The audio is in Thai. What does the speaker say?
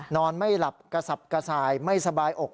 นอนไม่หลับกระสับกระส่ายไม่สบายอก